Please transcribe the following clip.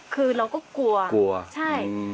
คือเราก็กลัวใช่